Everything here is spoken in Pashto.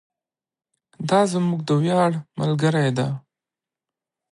دا زموږ د ویاړ ملګرې ده.